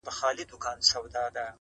سلا کار به د پاچا او د امیر یې-